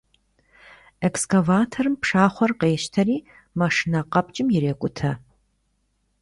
Ekskavatorım pşşaxhuer khêşteri maşşine khepç'ım yirêk'ute.